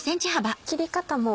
切り方も。